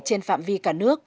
trên phạm vi cả nước